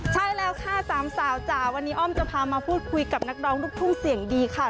ใช่แล้วค่ะสามสาวจ๋าวันนี้อ้อมจะพามาพูดคุยกับนักร้องลูกทุ่งเสียงดีค่ะ